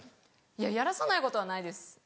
やらさないことはないです。